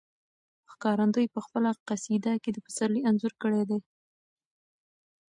ښکارندوی په خپله قصیده کې د پسرلي انځور کړی دی.